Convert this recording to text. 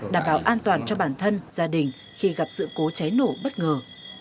đảm bảo an toàn cho bản thân gia đình khi gặp sự cố cháy nổ bất ngờ